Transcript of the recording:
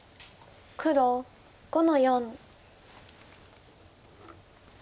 黒５の四。